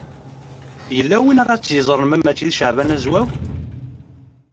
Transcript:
Yella win ara tt-yeẓren ma mačči d Caɛban Azwaw?